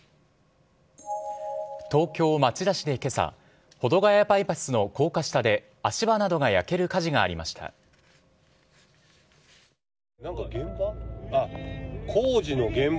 東京・町田市でけさ、保土ケ谷バイパスの高架下で、足場などが焼ける火事がありましなんか現場？